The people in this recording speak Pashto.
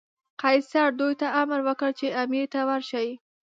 قیصر دوی ته امر وکړ چې امیر ته ورسي.